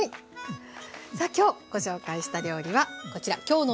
さあ今日ご紹介した料理はこちら「きょうの」